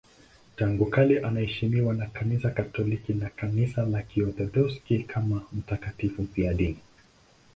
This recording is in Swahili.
Tangu kale anaheshimiwa na Kanisa Katoliki na Kanisa la Kiorthodoksi kama mtakatifu mfiadini.